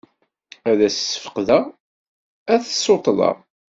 Ad as-sfeqdeɣ, ad t-ssuṭḍeɣ.